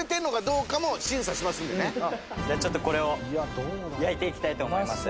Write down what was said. じゃあちょっとこれを焼いていきたいと思います。